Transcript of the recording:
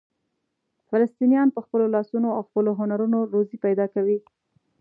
فلسطینیان په خپلو لاسونو او خپلو هنرونو روزي پیدا کوي.